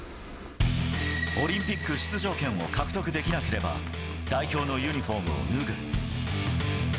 オリンピック出場権を獲得できなければ、代表のユニホームを脱ぐ。